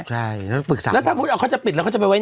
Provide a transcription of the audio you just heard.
แล้วถ้าพูดว่าเขาจะปิดมันก็จะไปไหนอะ